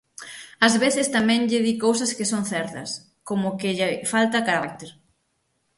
Ás veces tamén lle di cousas que son certas, como que lle falta carácter.